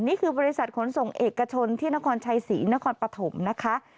นี่คือบริษัทขนส่งเอกชนที่นครชัยศรีนครปฐมนะคะ